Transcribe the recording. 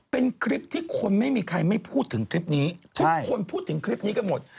เป็นคลิปที่คนไม่มีใครไม่พูดถึงคลิปนี้ทุกคนพูดถึงคลิปนี้กันหมด